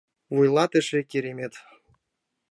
Вуйлатыше — керемет